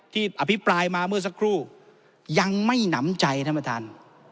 อภิปรายมาเมื่อสักครู่ยังไม่หนำใจท่านประธาน